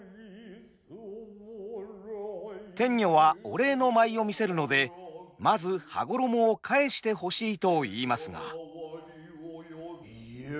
天女はお礼の舞を見せるのでまず羽衣を返してほしいといいますが。